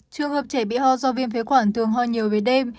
trường hợp trẻ bị ho do viêm phế quản thường ho nhiều về đêm